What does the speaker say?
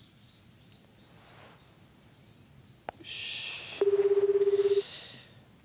よし。